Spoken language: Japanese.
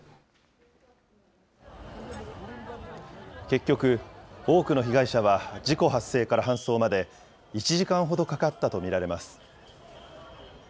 結局、多くの被害者は事故発生から搬送まで１時間ほどかかったと見られます。